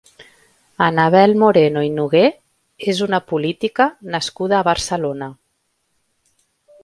Annabel Moreno i Nogué és una política nascuda a Barcelona.